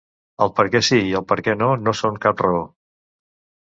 El 'perquè sí' i el 'perquè no' no són cap raó.